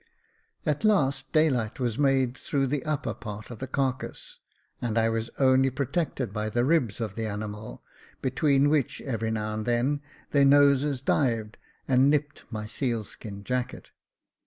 At last daylight was made through the upper part of the carcase, and I was only pro tected by the ribs of the animal, between which every now and then their noses dived and nipped my seal skin jacket.